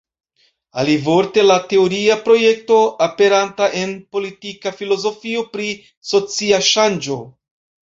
Alivorte, la teoria projekto aperanta en Politika Filozofio pri Socia Ŝanĝo.